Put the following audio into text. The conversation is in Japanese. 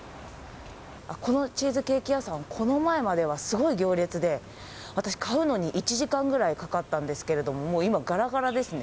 このチーズケーキ屋さん、この前まではすごい行列で、私、買うのに１時間ぐらいかかったんですけど、もう今、がらがらですね。